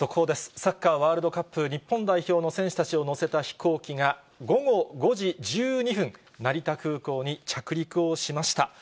サッカーワールドカップ日本代表の選手たちを乗せた飛行機が、午後５時１２分、成田空港に着陸をしました。